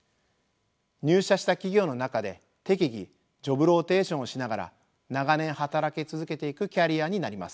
入社した企業の中で適宜ジョブローテーションをしながら長年働き続けていくキャリアになります。